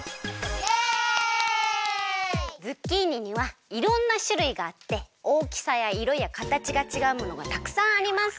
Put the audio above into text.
ズッキーニにはいろんなしゅるいがあっておおきさやいろやかたちがちがうものがたくさんあります。